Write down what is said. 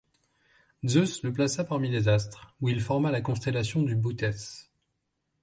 Zeus le plaça parmi les astres, où il forma la constellation du Bootès.